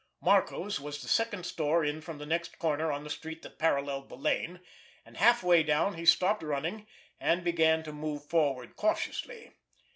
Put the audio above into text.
Marco's was the second store in from the next corner on the street that paralleled the lane, and halfway down he stopped running and began to move forward cautiously.